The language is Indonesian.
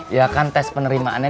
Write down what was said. ya kan tes penerimaannya